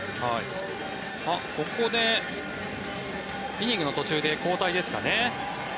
ここでイニングの途中で交代ですかね。